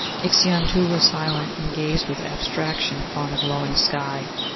Ixion, too, was silent, and gazed with abstraction upon the glowing sky.